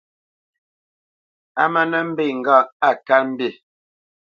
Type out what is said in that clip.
A má nə́ mbe ŋgâʼ á kát mbî.